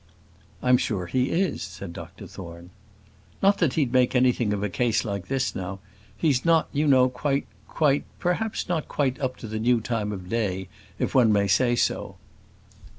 "I'm sure he is," said Dr Thorne. "Not that he'd make anything of a case like this now he's not, you know, quite quite perhaps not quite up to the new time of day, if one may say so."